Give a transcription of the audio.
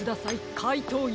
かいとうＵ！